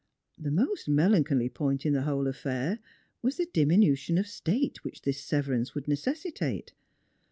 The most melancholy point in the whole affair was the diminution of state which this severance would necessitate.